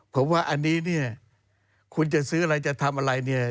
ผมว่าอันนี้คุณจะซื้ออะไรจะทำอะไร